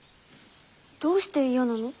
どうして嫌なの？